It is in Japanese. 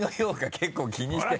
結構気にして。